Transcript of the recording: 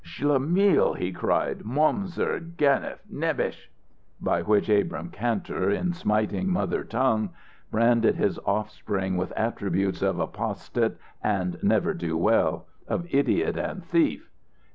"Schlemmil!" he cried. "Momser! Ganef! Nebich!" By which Abrahm Kantor, in smiting mother tongue, branded his offspring with attributes of apostate and ne'er do well, of idiot and thief.